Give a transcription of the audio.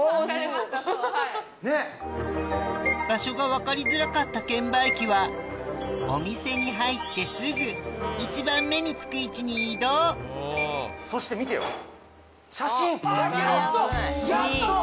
場所が分かりづらかった券売機はお店に入ってすぐ一番目につくそして見てよ写真！